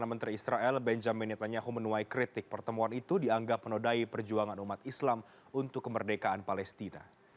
menteri israel benjamin netanyahu menuai kritik pertemuan itu dianggap menodai perjuangan umat islam untuk kemerdekaan palestina